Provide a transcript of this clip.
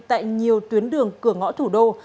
tại nhiều tuyến đường cửa ngõ thủ đô